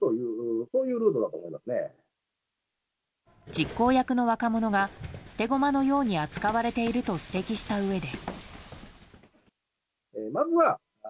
実行役の若者が捨て駒のように扱われていると指摘したうえで。